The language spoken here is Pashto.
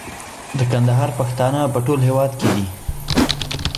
د کندهار پښتانه په ټول هيواد کي دي